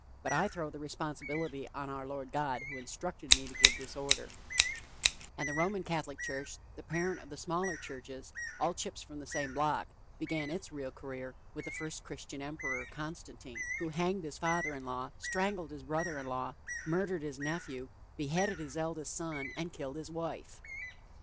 But I throw the responsibility on our Lord God who instructed me to give this order;" and the Roman Catholic church, the parent of the smaller churches all chips from the same block began its real career with the first Christian Emperor, Constantine, who hanged his father in law, strangled his brother in law, murdered his nephew, beheaded his eldest son, and killed his wife.